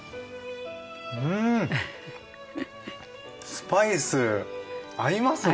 スパイス合いますね。